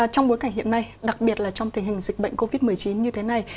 trong bối cảnh hiện nay đặc biệt là trong tình hình dịch bệnh covid một mươi chín như thế này